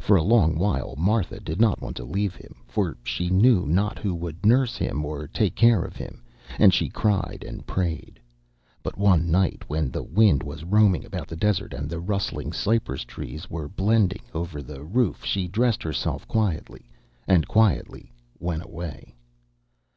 For a long while Martha did not want to leave him, for she knew not who would nurse him or take care of him; and she cried and prayed. But one night, when the wind was roaming about the desert, and the rustling cypress trees were bending over the roof, she dressed herself quietly, and quietly went away.